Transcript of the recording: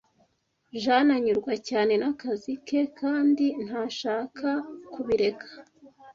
Jane anyurwa cyane nakazi ke kandi ntashaka kubireka.